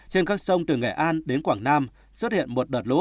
trên các sông từ nghệ an đến quảng nam xuất hiện một đợt lũ